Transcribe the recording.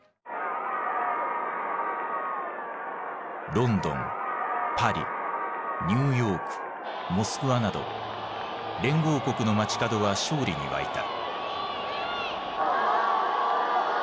ロンドンパリニューヨークモスクワなど連合国の街角は勝利に沸いた。